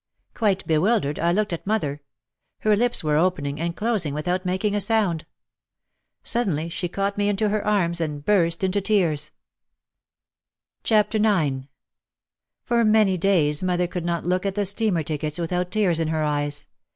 Quite bewildered, I looked at mother. Her lips were opening and closing without making a sound. Sud denly she caught me into her arms and burst into tears. OUT OF THE SHADOW 33 IX For many days mother could not look at the steamer tickets without tears in her eyes.